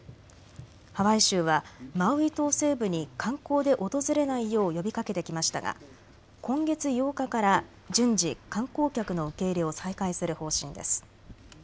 ハワイ州はマウイ島西部に観光で訪れないよう呼びかけてきましたが今月８日から順次、観光客の受け入れを再開する方針です。